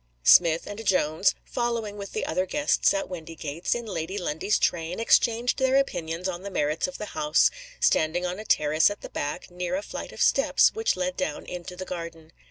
Smith and Jones following, with the other guests at Windygates, in Lady Lundie's train exchanged their opinions on the merits of the house, standing on a terrace at the back, near a flight of steps which led down into the garden.